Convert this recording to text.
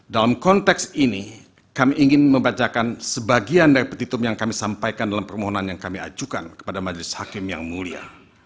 dalam konteks ini kami ingin membacakan sebagian dari petitum yang kami sampaikan dalam permohonan yang kami ajukan kepada majelis hakim yang mulia